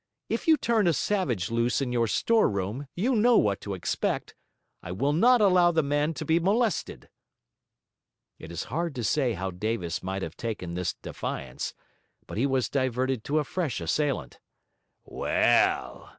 If you turn a savage loose in your store room, you know what to expect. I will not allow the man to be molested.' It is hard to say how Davis might have taken this defiance; but he was diverted to a fresh assailant. 'Well!'